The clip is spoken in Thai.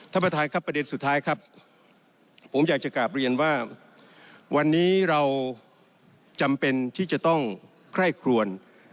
ท่านประธานครับประเด็นสุดท้ายครับผมอยากจะกลับเรียนว่าวันนี้เราจำเป็นที่จะต้องไคร่ครวน